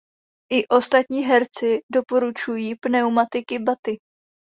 I ostatní herci doporučují pneumatiky Bati.